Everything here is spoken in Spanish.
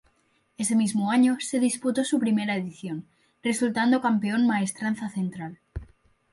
Ese mismo año se disputó su primera edición, resultando campeón Maestranza Central.